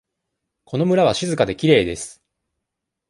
この村は静かできれいです。